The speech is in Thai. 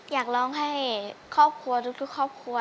อยากร้องให้ครอบครัวทุกครอบครัว